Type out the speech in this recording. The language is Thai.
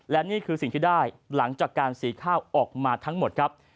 และนี่คือสิ่งที่ได้หลังจากการสีข้าวออกมาทั้งหมดครับ